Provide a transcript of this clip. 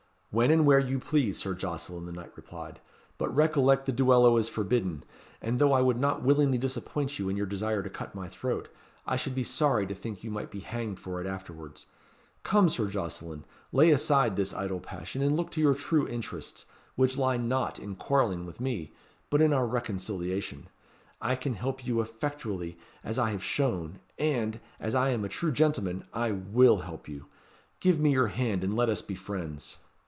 "When and where you please, Sir Jocelyn," the knight replied; "but recollect the duello is forbidden, and, though I would not willingly disappoint you in your desire to cut my throat, I should be sorry to think you might be hanged for it afterwards. Come, Sir Jocelyn, lay aside this idle passion, and look to your true interests, which lie not in quarrelling with me, but in our reconciliation. I can help you effectually, as I have shown; and, as I am a true gentleman, I will help you. Give me your hand, and let us be friends!"